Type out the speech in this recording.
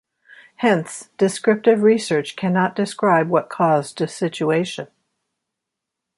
Hence, descriptive research cannot describe what caused a situation.